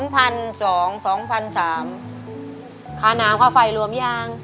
ค่าน้ำค่าไฟรวมยัง